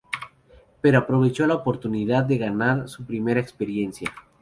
Pero aprovechó la oportunidad de ganar su primera experiencia.